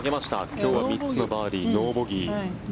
今日は３つのバーディーノーボギー。